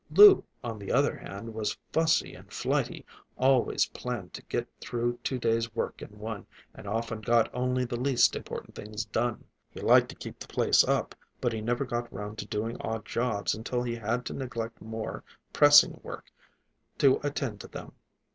Lou, on the other hand, was fussy and flighty; always planned to get through two days' work in one, and often got only the least important things done. He liked to keep the place up, but he never got round to doing odd jobs until he had to neglect more pressing work to attend to them.